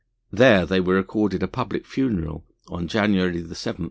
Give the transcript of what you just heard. There they were accorded a public funeral on January 7, 1881.